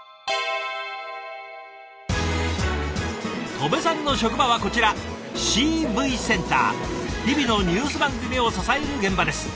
戸部さんの職場はこちら日々のニュース番組を支える現場です。